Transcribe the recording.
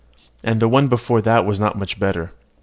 And the one before was not much better."